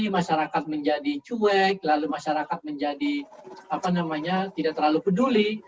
masyarakat menjadi cuek lalu masyarakat menjadi tidak terlalu peduli